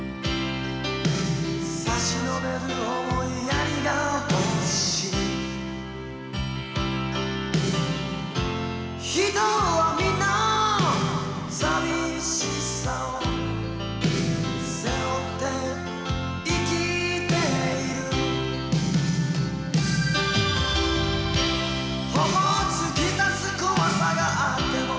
「さしのべる思いやりが欲しい」「人は皆淋しさを」「背負って生きている」「頬を突き刺す怖さがあっても」